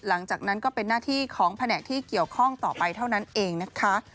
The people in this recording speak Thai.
หลังจากนั้นก็เป็นหน้าที่ของแผนกที่เกี่ยวข้องต่อไปเท่านั้นเองนะคะ